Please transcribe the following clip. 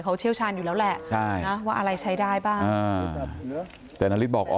เขาเชี่ยวชาญอยู่แล้วแหละว่าอะไรใช้ได้บ้างแต่นาริสบอกอ